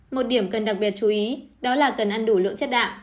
một điểm cần đặc biệt chú ý đó là cần ăn đủ lượng chất đạm